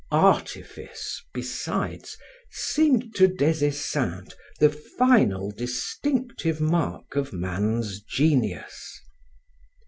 Artifice, besides, seemed to Des Esseintes the final distinctive mark of man's genius.